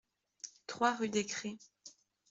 trois rue des Crais